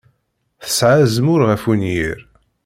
Tesɛa azmul ɣef wenyir.